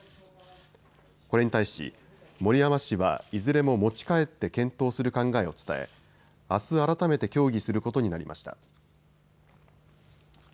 これに対し、森山氏はいずれも持ち帰って検討する考えを伝えあす改めて協議することになりました。